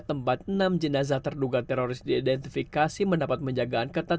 tempat enam jenazah terduga teroris diidentifikasi mendapat penjagaan ketat